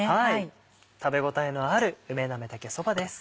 食べ応えのある梅なめたけそばです。